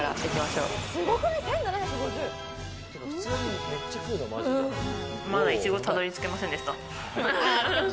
まだ、いちごまで、たどり着けませんでした。